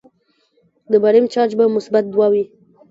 د باریم چارج به مثبت دوه وي.